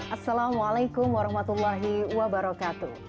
assalamualaikum warahmatullahi wabarakatuh